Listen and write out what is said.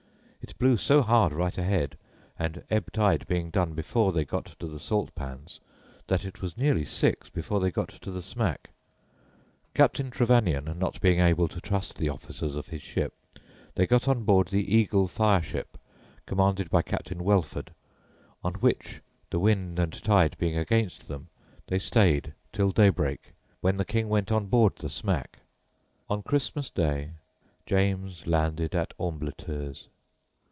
It blew so hard right ahead, and ebb tide being done before they got to the Salt Pans, that it was near six before they got to the smack. Captain Trevanion not being able to trust the officers of his ship, they got on board the Eagle fireship, commanded by Captain Welford, on which, the wind and tide being against them, they stayed till daybreak, when the King went on board the smack." On Christmas Day James landed at Ambleteuse.